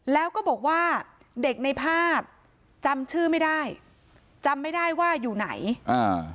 แล้วก็บอกว่าเด็กในภาพจำชื่อไม่ได้จำไม่ได้ว่าอยู่ไหนอ่า